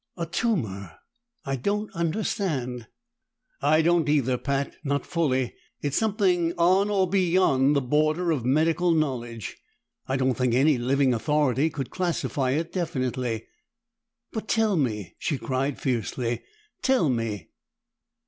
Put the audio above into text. "A tumor! I don't understand!" "I don't either, Pat not fully. It's something on or beyond the border of medical knowledge. I don't think any living authority could classify it definitely." "But tell me!" she cried fiercely. "Tell me!"